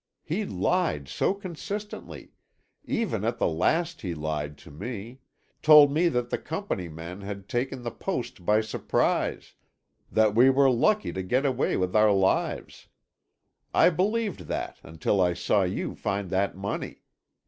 He lied so consistently—even at the last he lied to me—told me that the Company men had taken the post by surprise, that we were lucky to get away with our lives. I believed that until I saw you find that money.